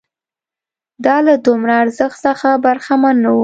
دا له دومره ارزښت څخه برخمن نه وو